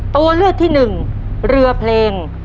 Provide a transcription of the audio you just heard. ตัวเลือกที่หนึ่งเรือเพลง